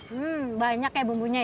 hmm banyak ya bumbunya ya